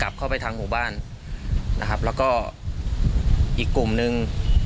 กลับเข้าไปทางหมู่บ้านแล้วก็อีกกลุ่มหนึ่ง